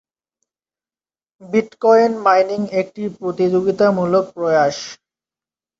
Bitcoin mining একটি প্রতিযোগিতামূলক প্রয়াস।